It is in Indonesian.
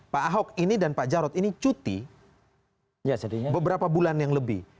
pak ahok ini dan pak jarod ini cuti beberapa bulan yang lebih